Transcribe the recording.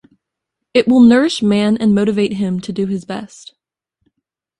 It will nourish man and motivate him to do his best.